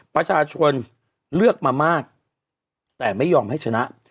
ประชาชนเลือกมามากแต่ไม่ยอมให้ชนะ